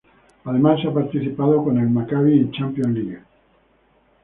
Además ha participado con el Maccabi en Champions League.